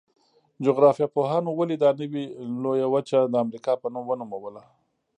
جغرافیه پوهانو ولې دا نوي لویه وچه د امریکا په نوم ونوموله؟